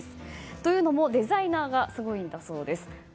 というのもデザイナーがすごいんだそうです。